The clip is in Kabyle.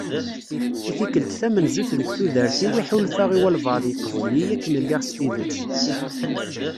I tikkelt tamenzut deg tudert-iw i ḥulfaɣ i wabɛaḍ yeqbel-iyi akken lliɣ s tidet.